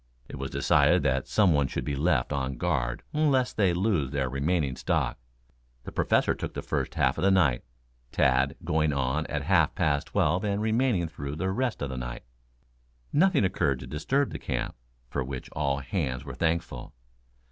It was decided that some one should be left on guard lest they lose their remaining stock. The Professor took the first half of the night, Tad going on at half past twelve and remaining through the rest of the night. Nothing occurred to disturb the camp, for which all hands were thankful.